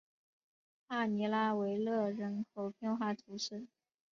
帕尼拉维勒人口变化图示